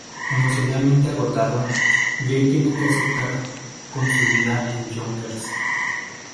Emocionalmente agotado, Jay tiene que aceptar con su vida en Yonkers.